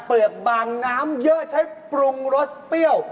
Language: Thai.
เปลือกบางน้ำเยอะใช้ปรุงรสเปรี้ยว